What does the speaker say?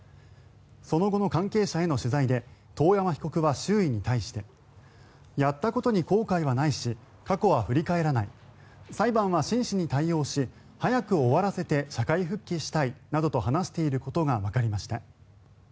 その後の関係者への取材で遠山被告は周囲に対してやったことに後悔はないし過去は振り返らない裁判は真摯に対応し早く終わらせて社会復帰したいなどと話していることがわかりました。